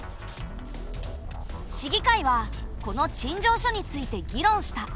市議会はこの陳情書について議論した。